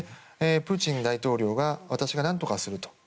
プーチン大統領は私が何とかすると。